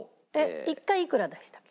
一回いくら出したっけ？